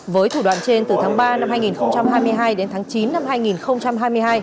với thủ đoạn trên từ tháng ba năm hai nghìn hai mươi hai đến tháng chín năm hai nghìn hai mươi hai